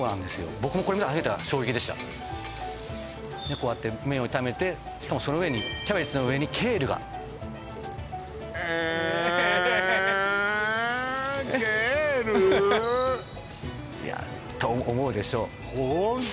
僕もこれ見た初めては衝撃でしたこうやって麺を炒めてしかもその上にキャベツの上にケールがええっケール？いやと思うでしょホント？